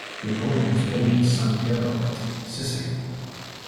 Rugolo was born in San Piero Patti, Sicily.